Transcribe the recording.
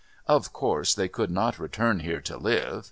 Of course, they could not return here to live...